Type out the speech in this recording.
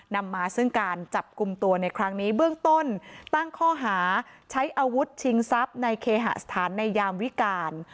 นำมาซึ่งการจับกลุ่มตัวในครั้งนี้เบื้องต้นตั้งข้อหาใช้อาวุธชิงทรัพย์ในเคหสถานในยามวิการ